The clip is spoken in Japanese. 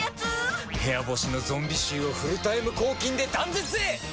部屋干しのゾンビ臭をフルタイム抗菌で断絶へ！